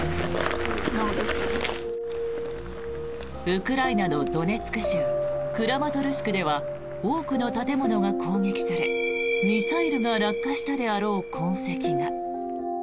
ウクライナのドネツク州クラマトルシクでは多くの建物が攻撃されミサイルが落下したであろう痕跡が。